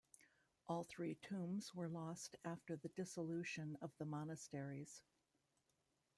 All three tombs were lost after the Dissolution of the Monasteries.